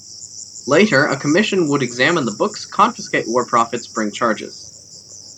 Later a commission would examine the books, confiscate war profits, bring charges.